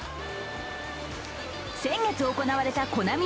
先月行われたコナミ